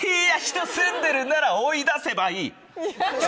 住んでるなら追い出せばいい！